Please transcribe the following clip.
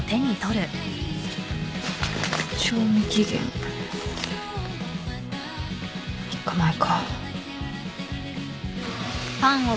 賞味期限３日前か。